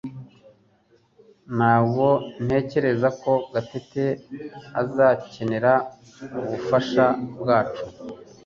Ntabwo ntekereza ko Gatete azakenera ubufasha bwacu